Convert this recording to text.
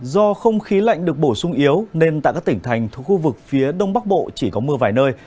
do không khí lạnh được bổ sung yếu nên tại các tỉnh thành thuộc khu vực phía đông bắc bộ chỉ có mưa vài nơi